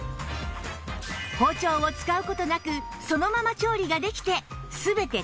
包丁を使う事なくそのまま調理ができて